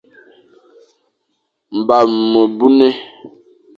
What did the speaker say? Bamge me buné,